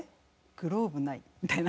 グローブないみたいな。